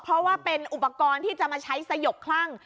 เพราะว่าเป็นอุปกรณ์ที่จะมาใช้สยบคลั่ง